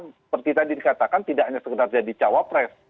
seperti tadi dikatakan tidak hanya sekedar jadi cawa pres